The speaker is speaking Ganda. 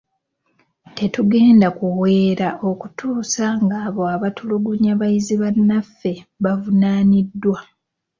Tetugenda kuweera okutuusa nga abo abaatulugunya bayizi bannaffe bavunaaniddwa.